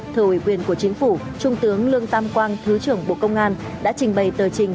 thờ ủy quyền của chính phủ trung tướng lương tam quang thứ trưởng bộ công an đã trình bày tờ trình